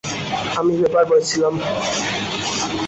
আমি পেপারবয় ছিলাম।